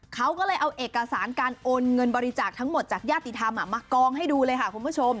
เขาก็เลยเอาเอกสารการโอนเงินบริจาคทั้งหมดจากญาติธรรมมากองให้ดูเลยค่ะคุณผู้ชม